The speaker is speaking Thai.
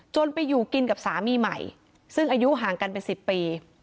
ไปอยู่กินกับสามีใหม่ซึ่งอายุห่างกันเป็น๑๐ปี